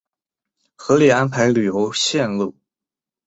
合理安排旅游线路